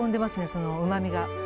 そのうまみが。